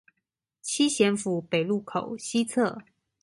七賢府北路口西側